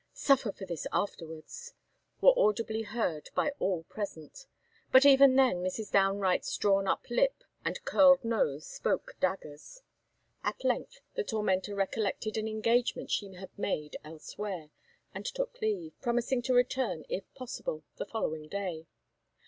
"suffer for this afterwards," were audibly heard by all present; but even then Mrs. Downe Wright's drawn up lip and curled nose spoke daggers. At length the tormentor recollected an engagement she had made elsewhere, and took leave, promising to return, if possible, the following day.